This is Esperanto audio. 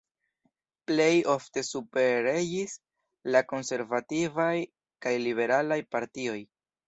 Plej ofte superregis la konservativaj kaj liberalaj partioj.